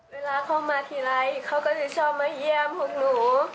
เวลาเขามาทีไรเขาก็จะชอบมาเยี่ยมพวกหนู